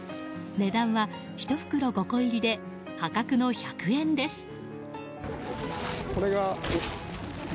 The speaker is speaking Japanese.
値段は１袋５個入りで破格の１００円です。